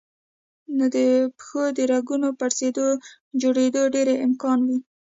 نو د پښو د رګونو پړسېدو جوړېدو ډېر امکان وي